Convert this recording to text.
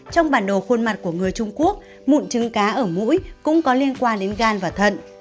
trong bản đồ khuôn mặt của người trung quốc mụn trứng cá ở mũi cũng có liên quan đến gan và thận